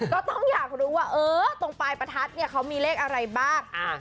ก็ต้องอยากรู้ว่าเออตรงปลายประทัดเนี่ยเขามีเลขอะไรบ้าง